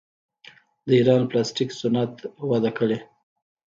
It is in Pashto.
د ایران پلاستیک صنعت وده کړې.